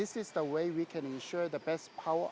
ini adalah cara kami untuk memastikan